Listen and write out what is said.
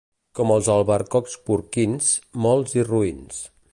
Com els albercocs porquins, molts i roïns.